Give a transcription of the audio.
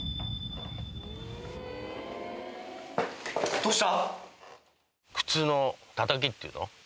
どうした？